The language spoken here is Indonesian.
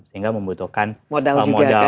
sehingga membutuhkan modal kerja